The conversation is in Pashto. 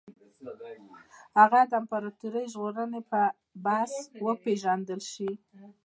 هغه د امپراطوري ژغورونکي په حیث وپېژندل شي.